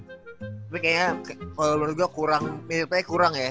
tapi kayaknya kalau menurut gue kurang miripnya kurang ya